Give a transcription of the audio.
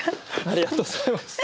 ありがとうございます。